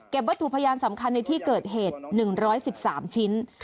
วัตถุพยานสำคัญในที่เกิดเหตุ๑๑๓ชิ้น